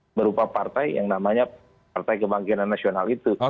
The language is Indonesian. adalah satu partai yang namanya partai kebangkitan nasional itu